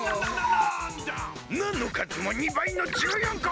ナのかずも２ばいの１４こ。